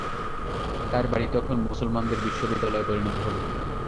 তাঁর বাড়ি তখন মুসলমানদের বিশ্ববিদ্যালয়ে পরিণত হল।